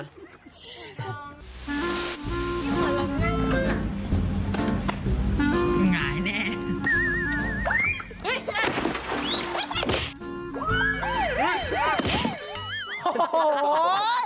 หน่ายแน่